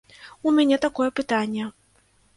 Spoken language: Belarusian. У мяне такое пытанне.